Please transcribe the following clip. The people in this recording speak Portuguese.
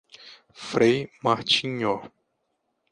Frei Martinho